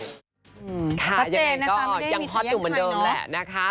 ยังไงก็ยังฮอตอยู่เหมือนเดิมแหละนะคะ